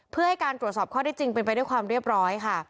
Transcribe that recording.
เพื่อให้การตรวจสอบข้อได้จริงเป็นไปด้วยความเรียบร้อยค่ะ